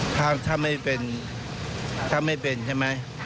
ทำให้เป็นทำให้เป็นใช่ไหม